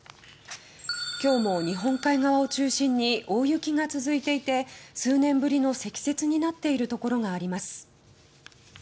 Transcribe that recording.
今日も日本海側を中心に大雪が続いていて数年ぶりの積雪になっているところがあります。